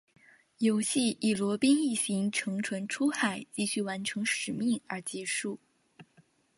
游戏以罗宾一行乘船出海继续完成使命而结束。